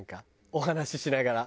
お話ししながら。